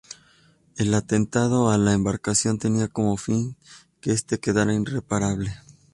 El atentado a la embarcación tenía como fin que esta quedara irreparable.